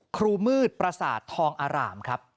ครูมืดประศาจทองอาร่าม